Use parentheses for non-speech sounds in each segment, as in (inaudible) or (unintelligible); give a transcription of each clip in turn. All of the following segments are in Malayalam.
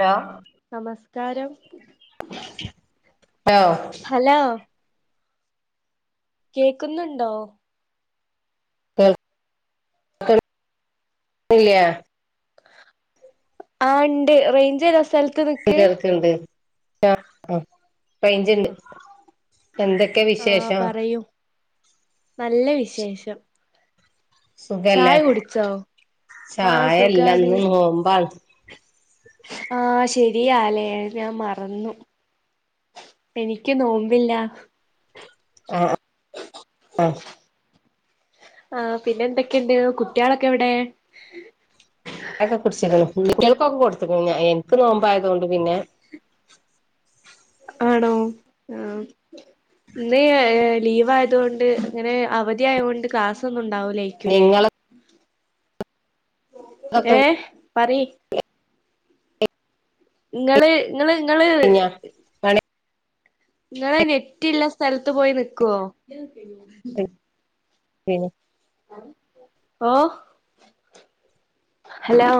ഹലോ നമസ്കാരം ഹലോ ഹലോ കേക്കുന്നുണ്ടോ കേൾ കേൾ ല്ലയാ ആ ഉണ്ട് റേഞ്ച്ത സ്ഥല ഇതക്കെുണ്ട് പൈഞ്ച്ണ്ട് ആഹ പറയൂ നല്ല വിശേഷം സുഖല്ലേ ചായ കുടിച്ചോ ആഹ ചായല്ല സുഖാണ് ഇന്ന് നോമ്പാണ് ആഹ ശരി പുതി ആാലയ ഞാൻ മറന്നു എനിക്ക് നോമ്പില്ല ആഹ ആഹ ആ പിന്നെ എന്തൊക്കെയുണ്ട് കുട്ടികളൊക്കെ എവിടെ ക്കെ കുടിച്ചിണം ക്കൊക്കെ കൊടുത്തക്ക എനിക്ക് നോമ്പായത കൊണ്ട് പിന്നെ (inaudible) ആണോ ആഹ ഇന്ന് ലീവ്യതുകൊണ്ട് ഇങ്ങനെ അവധിയ ആയത്ൊണ്ട് ക്ലാസ് ഒന്നും ഉണ്ടാവില്ല ലയിക്കല്ലേ നിങ്ങളതൊക്കെ ഏ പറയ്‌ (unintelligible) നിങ്ങള് നിങ്ങള് നിങ്ങള് കഴിഞ്ഞോ നിങ്ങള് നഞെറ്റില്ല സ്ഥലത്ത് പോയി നക്കുവോ ഉ ആഹ ഹലോ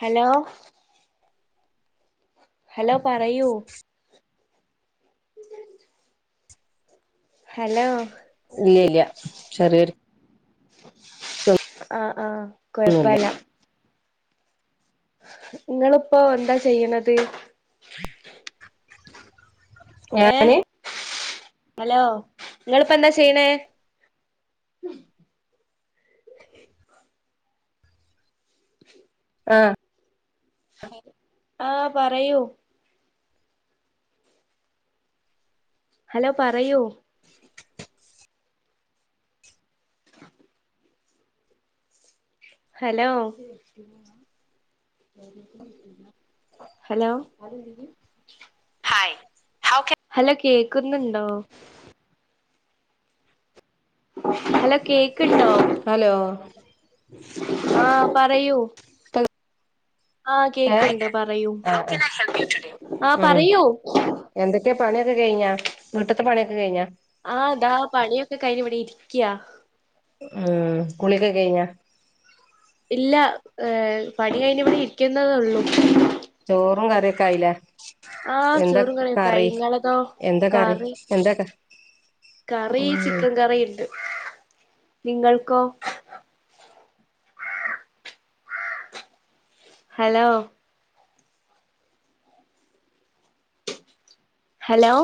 ഹലോ ഹലോ പറയൂ ഹലോ ഇല്ല ഇല്ല ചെറിയൊരു ആഹ ആഹ കുഴപ്പല്ല നിങ്ങളിപ്പോൊ എന്താ ചെയ്യണത് ഏ ഞാന് ഹലോ നിങ്ങളിപ്പ എന്താ ചെയ്യണേ ആഹ ആഹ് പറയൂ ഹലോ പറയൂ (unintelligible) ഹലോ ഹലോ ഹായ് ഹാബ് ഹലോ കേക്കുന്നുണ്ടോ ഹലോ കേക്ക്ട്ടോ ഹലോ ആഹ പറയൂ ലോ ആഹ് കേക്ക്ണ്ട് പറയൂ ആഹ് ഉ പറയൂ എന്ത്ക്ക ക്കെ പണിയൊക്കെ കഴിഞ്ഞാ വിട്ടത്ത് പണിയൊക്കെ കഴിഞ്ഞ ആഹ അതാ പണിയൊക്കെ കയ്ഞ്ഞ ഇവിടെ ഇരിക്കയാ ഉം കുളിയൊക്കെ കഴിഞ്ഞ? ഇല്ല ഏ പണി കഴിഞ്ഞ ഇവിടെ ഇരിക്കുന്നത ഉള്ളൂ. ചോറും കറിയൊക്കെ ആയില്ലേ? ആഹ് എന്ത ചോറും കറിയൊക്കെ ആയി കറി ഇങ്ങളതോ എന്ത കറി എന്ത കറി ചിക്കൻ കറി ഉണ്ട് നിങ്ങൾക്കോ? ഹലോ? ഹലോ?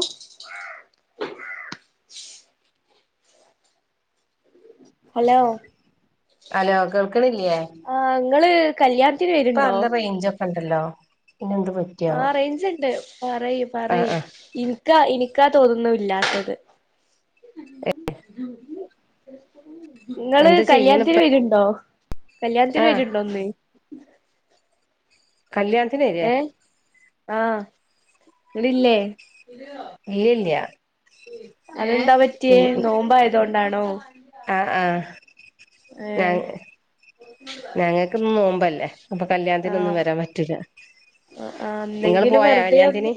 ഹലോ ഹലോ ആ നിങ്ങള് ഇപ്പ നല്ല റേഞ്ച് ഒക്ക ഉണ്ടല്ലോ. പിന്നെ എന്ത് ആ പറ്റിയാവോ റേഞ്ച്ണ്ട് പറയി ആഹ് പറയി ആഹ് എനിക്കാ തോന്നുന്നു ഇല്ലാത്തത്. നിങ്ങള് എന്താ ചെയ്യണ കല്യാണത്തിന് ഇപ്പ വരുണ്ടോ? കല്യാണത്തിന് ആഹ് വരുണ്ടോ ഇന്ന്? കല്യാണത്തിന് ടല്ലേ? ഇല്ല ഇല്ല്യ. അതെന്താ പറ്റിയേ നോമ്പ് ആയതുകൊണ്ടാണോ? ആ ആ ഏഹ് ഞങ്ങൾക്ക്ന്ന് നോമ്പല്ലേ. അപ്പൊ കല്യാണത്തിനൊന്നും ആഹ് വരാൻ പറ്റൂല്ല ആഹ് ആഹ് നിങ്ങള് എന്തെങ്കിലും പോയാ വെറുതെ ഒന്ന് കല്യാണത്തിന്?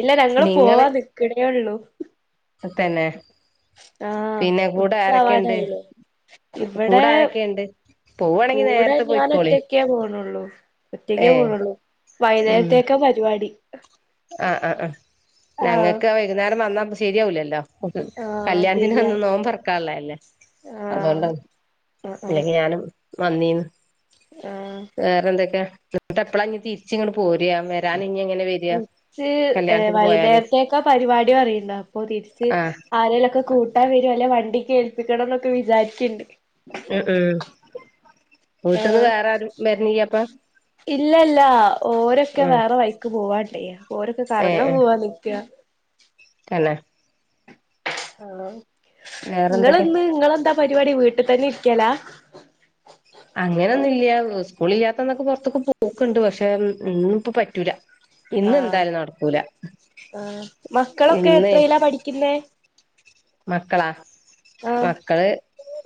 ഇല്ല ഞങ്ങള് നിങ്ങള് പോവാ നിക്കണേള്ളൂ. തന്നെ. ആഹ് പിന്നെ കൂടെ ആരൊക്കെയുണ്ട് ഉച്ചാവാനായില്ലേ ഇവിടെ കൂടെ ആരൊക്കെയുണ്ട്? പോവാണെങ്കി കൂടെ നേരത്തെ ഞാൻ പോയിക്കോളി ഒറ്റക്കേ പോണള്ളൂ ഏ ഒറ്റക്കേ പോണള്ളൂ. വൈകുന്നേരത്തേക്ക പരിപാടി. ആ ആ ആ ആഹ് ഞങ്ങൾക്ക് വൈകുന്നേരം വന്നാ ശരിയാവില്ലല്ലോ. ആഹ് കല്യാണത്തിന് വന്ന് ശരിയാണ് നോമ്പ് തുറക്കാനുള്ളതല്ലേ അതുകൊണ്ട ആഹ് ആഹ് ആഹ് അല്ലെങ്കി ഞാനും വന്നീന്ന് ആഹ് വേറെ എന്തൊക്കെയ എന്നിട്ട് എപ്പഴാ ഇനി തിരിച്ച് ഇങ്ങട് പോ വരാൻ ഇനി എങ്ങനെ വരിക? വൈകുന്നേരത്തൊക്കെ പരിപാടി പറയണ്ട അപ്പൊ തിരിച്ച് ആഹ് ആരെലൊക്കെ കൂട്ടാൻ വരും അല്ലെ വണ്ടിക്ക് ഏൽപ്പിക്കണം എന്നൊക്കെ വിചാരിക്കുണ്ട്. ഉം ഉം വീട്ടന്ന് ആഹ് വേറെ ആരും വരണില്ല അപ്പൊ? ഇല്ലല്ല ഓരൊക്കെ വേറെ വൈക്ക് പോവാണ്ടേ ഓരൊക്കെ ഏ കറങ്ങാൻ ഏ പോവാ നിക്ക. തന്നെ. ആ വേറെന്തൊക്കെ നിങ്ങളന്ന് നിങ്ങളെന്താ പരിപാടി വീട്ടിൽ തന്നെ ഇരിക്കാലാ. അങ്ങനൊന്നുല്ല സ്കൂള് ഇല്ലാത്തന്നൊക്കെ പുറത്തക്കെ പോക്കണ്ട് പക്ഷെ ഇന്ന് ഇപ്പ പറ്റൂല. ഇന്ന് ആഹ് എന്തായാലും നടക്കൂല ആഹ് മക്കളൊക്കെ ഇന്ന് എത്രയിലാ പഠിക്കുന്നേ മക്കളാ ആഹ് മക്കള്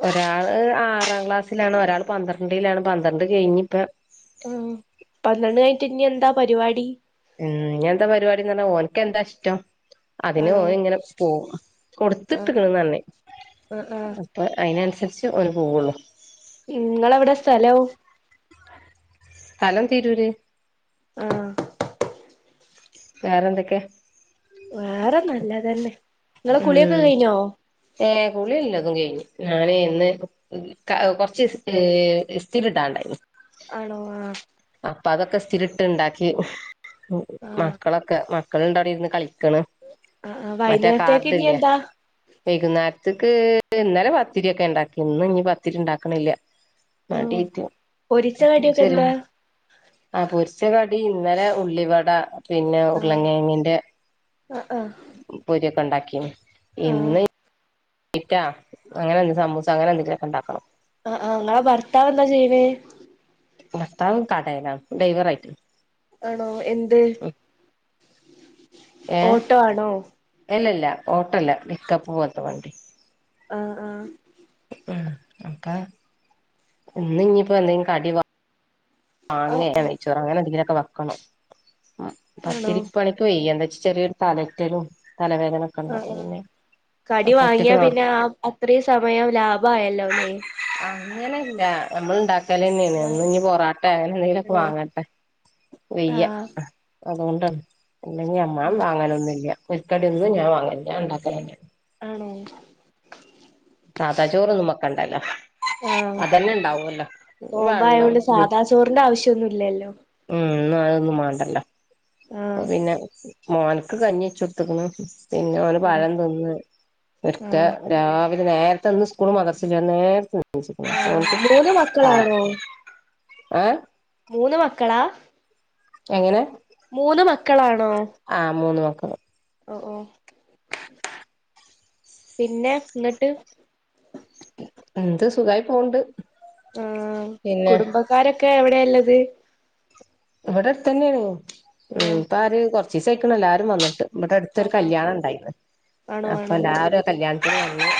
ഒരാള് ആറാ ക്ലാസ്സിലാണ് ഒരാള് പന്ത്രണ്ട്ലാണ് പന്ത്രണ്ട് കെഴിഞ്ഞ്പ്പൊ ഉം പന്ത്രണ്ട് കഴ്ഞ്ഞ്ട്ട് ഇഞ്ഞെന്താ പരിവാടി? ഉം ഇഞ്ഞെന്താ പരിപാടിന്നർഞ്ഞാ ഓൻക്കെന്താ ഇഷ്ടം അതിന് ആണോ ഓന് ഇങ്ങനെ പോകും കൊടുത്ത് ആഹ് ക്ക്ണ് ന്നർണ്. ആഹ് ആഹ് അപ്പ അയ്നന്സരിച്ച് ഓന് പോവൊള്ളു. നിങ്ങളെവിടെ സ്ഥലോം? സ്ഥലം തീരൂര്. ആഹ് വേറെന്തൊക്കെയ? വേറെ നല്ലതന്നെ. ഇങ്ങളെ കുളിയൊക്കെ ഉം കഴിഞ്ഞോ ഏഹ് കുളി എല്ലതും കഴിഞ്ഞ്. ഞാന് ഇന്ന് ക കൊർച്ച് ഇസ്തീ ഇസ്തിരി ഇടാണ്ടായ്നി. ആണോ ആഹ് അപ്പ അതൊക്കെ ഇസ്ഥിരിട്ട്ണ്ടാക്കി മക്കളൊക്കെ മക്കള് ണ്ടടെ ഇരുന്ന് കളി അഹ് ആഹ് വയ്ന്നേ കാർഡില്ലെ. വൈകുന്നേരത്ക്ക് (unintelligible) ഇന്നലെ പത്തിരിയൊക്കെ ഇണ്ടാക്കിനി. ഇന്ന് ഇഞ് പത്തിരി ണ്ടാക്ണില്ല. ആണോ മട്യായ്ട്ട് പൊരിച്ച കടിയൊക്കെ ശരി എന്താ ആഹ് പൊരിച്ചക ടി ഇന്നലെ ഉള്ളിവട പിന്നെ ആഹ് ഉരുളങയ്ങ്ങിന്റെ ആഹ് ആഹ് ക്കെണ്ടാക്കീനി. ആഹ് ഇന്ന് ക്കിറ്റാ. അങ്ങനെ എന്തെലും സമൂസ അങ്ങനെ എന്തെങ്കിലു നക്കെ ണ്ടാക്കണം. അഹ് ആഹ് ഇങ്ങളെ ഭർത്താവെന്താ ചെയ്യ്ണേ? ഭർത്താവ് കടേലാ ഡൈവറായിട്ട്. ആണോ എന്ത്? ഓട്ടോ ആണോ. ഇല്ലല്ല ഓട്ടല്ല പിക്കപ്പ് പോൽത്ത വണ്ടി. ആഹ് ആഹ് ഉം അപ്പ ഇന്ന് ഇഞിപ്പോ എന്തെങ്കിലും കടി വാങ്ങെ ആഹ് (unintelligible) നെയ്ച്ചോറോ അങ്ങനെ എന്തെങ്കിലൊക്കെ വെക്കണം. ആണോ പത്തിരിപ്പണിക്ക് വെയ്യ എന്തച് ചെറിയൊരു തലൊറ്റലും ആഹ് ആഹ് കടി അപ്പൊ ഒറ്റക്ക് വാങ്ങ്യാ നട പിന്നെ ആ അത്രേ സമയം ലാഭായല്ലോ. ല്ലോല്ലേ അങ്ങനെ ല്ല നമ്മള്ണ്ടാ ക്കലെന്നെണ് ആഹ് ഇന്ന് ഞ് പൊറാട്ടേ അങ്ങനെ ന്തെങ്കിലൊക്കെ ആണോ വാങ്ങട്ടെ വെയ്യ ആഹ് അത്കൊണ്ടാണ് ഇല്ലെങ്കി അമ്മാ ഉം മാങ്ങാലൊന്നുല്ല ഒര്ക്കട്യൊന്നും ഞാൻ വാങ്ങേല ഞാണ്ടാക്കാലെന്നെണ്. ആണോ? ക്കണ്ടല്ലോ ആഹ് അതെന്നെ ണ്ടാവൊല്ലോ വള്ളം (unintelligible) ഒന്നുല്ലല്ലോ ഉം ഇന്നതൊന്നും മാണ്ടല്ലോ അപ്പൊ ആഹ് പിന്നെ മോൻക്ക് കഞ്ഞി വെച്ചൊട്ത്ത്ക്ക്ണ്. പിന്നെ അവന് ആണോ പഴം തിന്ന് ഒര്ക്കെ ആഹ് രാ വിലെ നേര്ത്തെ ഇന്ന് സ്കൂളും മദ്രസുല്ല നേരത്തെ എണീച്ച്ക്ക്ണ് ആഹ് (unintelligible) മൂന്ന് ആഹ് മക്കളാണോ ഏഹ് മൂന്ന് മക്കളാ? എങ്ങനെ? മൂന്ന് മക്കളാണോ? ആ മൂന്ന് മക്കള് ഓഹ് ഓഹ് പിന്നെ ന്നട്ട് എന്ത് സുഖായി പോവ്ണ്ട്. ആഹ് കുടുംബക്കാരൊക്കെ എവിടെള്ളത്? ഇവടട്ത്തെന്നെണ്. ഉം ആണോ ഇപ്പ ആര് കൊർച്ചീസായിക്ക്ണ് എല്ലാരും വന്ന്ട്ട്. ഇബടട്ത്തൊരു ആഹ് കല്യാണണ്ടായിണ് ആണോ അപ്പൊ ആണോ ല്ലാരും കല്യാണത്തിന് വ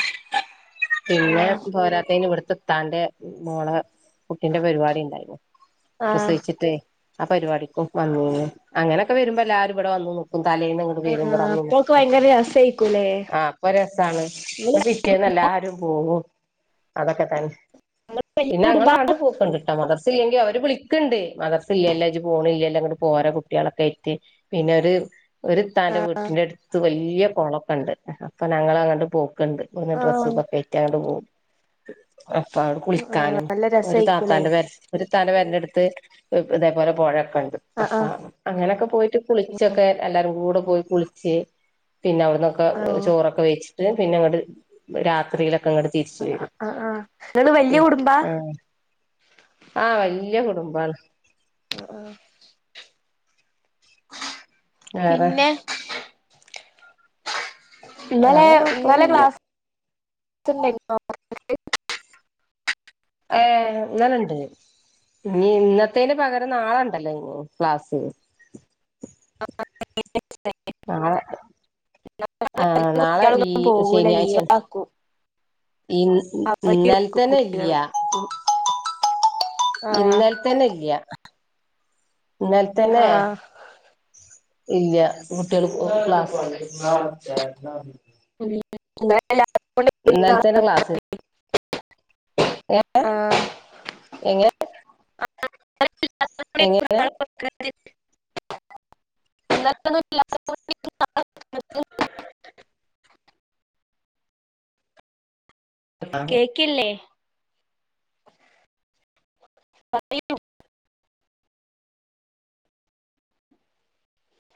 (inaudible) പിന്നെ ആഹ് പോരാത്തയ്ന് ഇവട്ത്ത്ത്താന്റെ മോളെ കുട്ടിന്റെ പരിപാടി ഉണ്ടായിരുന്നു ആഹ് പ്രസവിച്ചിട്ടേ ആ പരിപാടിക്കും വന്നി അങ്ങനെയൊക്കെ വരുമ്പോ എല്ലാരും ഇവിടെ വന്നു ഇപ്പ തലേൽ നിന്ന് അങ്ങോട്ട് ആഹ് ആഹ് പേരുും്പോടന്നും അപ്പൊക്കെ ഭയങ്കര രസായിക്കൂലേ ആഹ് അപ്പൊ രസമാണ് നിങ്ങള് ഇ പിറ്റേന്ന് എല്ലാരും പോകു അതൊക്കെ തന്നെ വല്യ പിന്നെ ഞങ്ങ കുടുംബാ അണ്ട് പൂക്കണ്ട് കിട്ട മലർച്ചിലെങ്കി അവര് അവ വിളിക്കണ്ട് മദർസ് ഇല്ലല്ലജ പോണ ഇല്ലല്ലോ അങ്ങോട്ട് പോരാ കുട്ടികളൊക്കെ എറ്റ് പിന്നെരു ഒരു താൻന്റെ വീട്ടിന്റെ അടുത്ത് വലിയ കുളക്ക ഉണ്ട് അപ്പൊ ഞങ്ങൾ അങ്ങോ് പോ ണ്ട് മെ ഡ്രസ്സ് ആഹ് ഇക്കെ കയറ്റാങ്ങ് പോവും അപ്പ അവിടെ കുളിക്കാനും നല്ല ഒരു രസായിക്കൂലേ താത്താന്റെ പ ഒരു താന്റെ പേരന്റെ അടുത്ത് ഇതേപോലെ പുഴയൊക്ക ഉണ്ട് അ ആഹ് ആഹ് അങ്ങനെയൊക്കെ പോയിട്ട് കുളിച്ചൊക്കെ എല്ലാരും കൂടെ പോയി കുളിച്ച് പിന്നെ അവിടന്നൊക്കെ ആഹ് ചോറൊക്കെ വെച്ചിട്ട് പിന്നെ രാത്രി ങ്ങടെ തിരിച്ച വരും ആഹ് ആഹ് നിങ്ങള് വല്യ കുടുംബാ ആ ആഹ വലിയ കുടുംബം ആ ആ വേറെ പിന്നെ ഇന്നലെ വേറെ ഇന്നലെ കൊഴപ്പൊന്നുല്ല ക്ലാസ് ന്നെ ആഏ എന്നല്ലുണ്ട് ഇനി ഇന്നത്തേന് പകരം നാളുണ്ടല്ലോ ഇ ക്ലാസ്സ് എ ആ നാളെ ഈ കുട്ടികളൊന്നന്നും പോകൂല ലീവ് ശനിയാഴ്ചയാണ് ആക്കൂ ഇ ഇന്നാൽത്തന്നെ കുട്ടികള് ഇല്ലയ ആഹ് ഇന്നാൽ തന്നെ ഇല്ല ഇലത്തന്നെ ആഹ് ഇല്ല കുട്ടികൾ ക്ലാ ഉ നത്തന്നെ ക്ലാസ് ഏ ആഹ് എങ്ങ ഇന്നലെ ഒന്നും ഇല്ലാത്തത് കൊണ്ട് (unintelligible) കേക്കില്ലേ അതും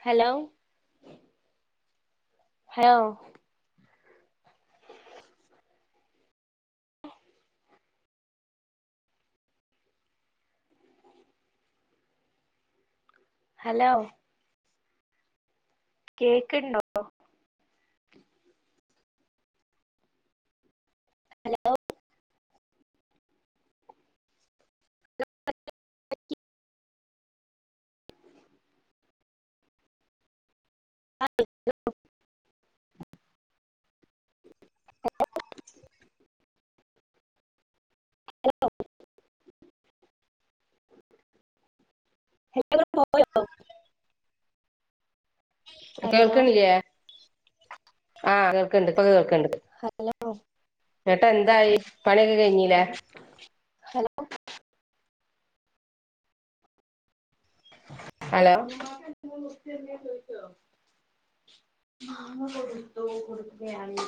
ഹലോ ഹഹ ഹലോ കേക്കുന്നുോ ഹലോ ഉ ഹലോ കേൾക്കണില്ലേ ആഹ കേൾക്കണ്ട് പ കേൾക്കണ്ട് ഹലോ എന്നിട്ട് എന്തായി പണിയൊക്കെ കഴിഞ്ഞില്ലേ ഹലോ ഹലോ നിാക്ക ന മുച്ച മാമ കൊടുത്തു കൊടുക്കുകയാണ്